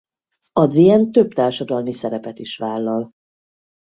Adrienn több társadalmi szerepet is vállal.